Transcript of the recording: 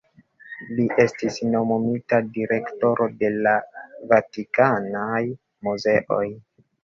Li estis nomumita direktoro de la Vatikanaj muzeoj.